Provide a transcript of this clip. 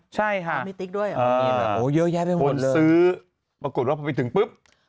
ใช่ค่ะมีติ๊กด้วยเหรอโอ้เยอะแยะไปหมดคนเลยซื้อปรากฏว่าพอไปถึงปุ๊บ